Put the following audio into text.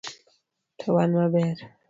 To wan maber